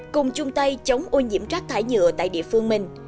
cùng chung tay chống ô nhiễm rác thải nhựa tại địa phương mình